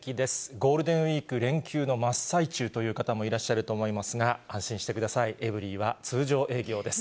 ゴールデンウィーク連休の真っ最中という方もいらっしゃると思いますが、安心してください、エブリィは通常営業です。